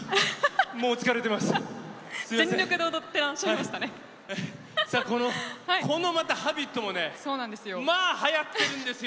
もう疲れてます。